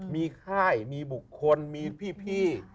มีค่ายมีบุคคลมีพี่